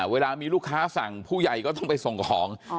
เวลามีลูกค้าสั่งผู้ใหญ่ก็ต้องไปส่งของ